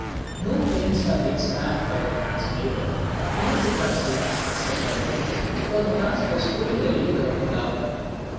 No pains have been spared by the translator to make the translation acceptable, for the task was truly a labor of love.